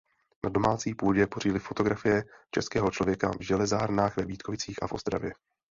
Na domácí půdě pořídili fotografie českého člověka v železárnách ve Vítkovicích a v Ostravě.